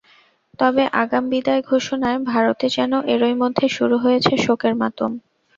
তবে আগাম বিদায় ঘোষণায় ভারতে যেন এরই মধ্যে শুরু হয়েছে শোকের মাতম।